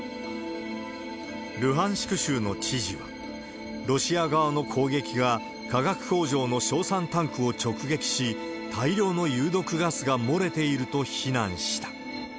ルハンシク州の知事は、ロシア側の攻撃が化学工場の硝酸タンクを直撃し、大量の有毒ガスが漏れていると非難した。